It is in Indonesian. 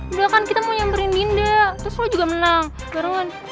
udah kan kita mau nyamperin dinda terus lo juga menang barengan